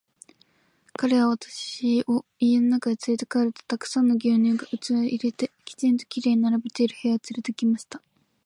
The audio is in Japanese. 彼は私を家の中へつれて帰ると、たくさんの牛乳が器に入れて、きちんと綺麗に並べてある部屋へつれて行きました。